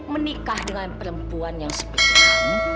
menikah dengan perempuan yang seperti ini